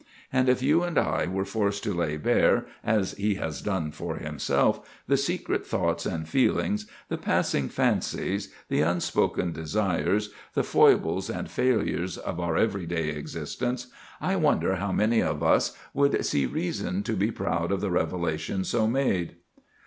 And if you and I were forced to lay bare, as he has done for himself, the secret thoughts and feelings, the passing fancies, the unspoken desires, the foibles and failures of our every day existence, I wonder how many of us would see reason to be proud of the revelation so made.